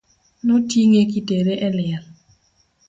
No ting'e kitere e liel.